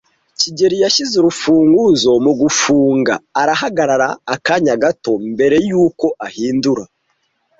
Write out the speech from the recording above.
kigeli yashyize urufunguzo mugufunga arahagarara akanya gato mbere yuko ahindura.